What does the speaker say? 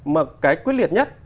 mà cái quyết liệt nhất